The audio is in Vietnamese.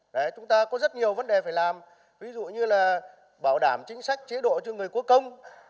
đấy chúng ta có rất nhiều vấn đề phải làm ví dụ như là bảo đảm chính sách chế độ cho người quốc công